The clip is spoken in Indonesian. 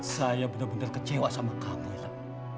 saya bener bener kecewa sama kamu ela